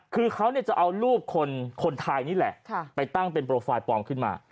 คือเขาจะเอารูปคนไทยนี่แหละไปตั้งเป็นโปรไฟล์ปลอมขึ้นมา